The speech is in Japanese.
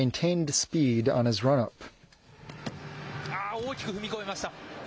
大きく踏み越えました。